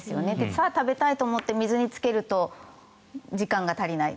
さあ、食べたいと思って水につけると時間が足りない。